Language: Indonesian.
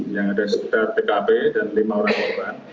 yang ada sekitar tkp dan lima orang korban